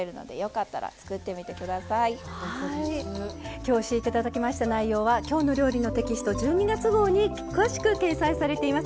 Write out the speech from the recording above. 今日教えて頂きました内容は「きょうの料理」のテキスト１２月号に詳しく掲載されています。